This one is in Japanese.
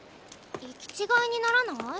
行き違いにならない？